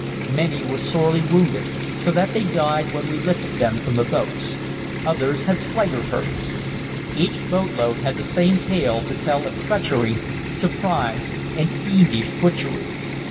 Many were sorely wounded, so that they died when we lifted them from the boats; others had slighter hurts. Each boatload had the same tale to tell of treachery, surprise, and fiendish butchery.